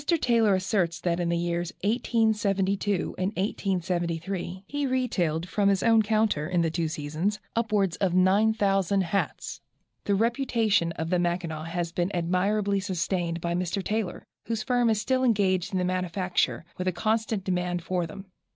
Taylor asserts that in the years 1872 and 1873 he retailed from his own counter, in the two seasons, upwards of 9000 hats. The reputation of the Mackinaw has been admirably sustained by Mr. Taylor, whose firm is still engaged in their manufacture, with a constant demand for them.